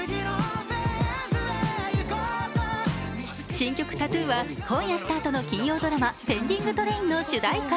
新曲「ＴＡＴＴＯＯ」は今夜スタートの金曜ドラマ「ペンディングトレイン」の主題歌。